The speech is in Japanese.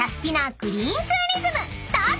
グリーンツーリズムスタート！］